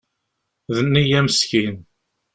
D neyya meskin.